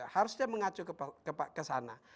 harusnya mengacu ke sana